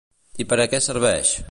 I per a què serveix?